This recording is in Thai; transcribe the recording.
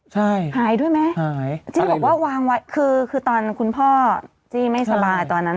ใช่หายด้วยไหมหายจี้บอกว่าวางไว้คือคือตอนคุณพ่อจี้ไม่สบายตอนนั้น